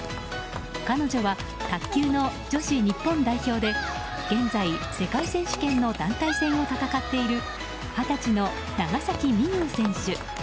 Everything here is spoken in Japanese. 彼女は卓球の女子日本代表で現在、世界選手権の団体戦を戦っている二十歳の長崎美柚選手。